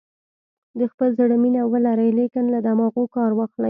د خپل زړه مینه ولرئ لیکن له دماغو کار واخلئ.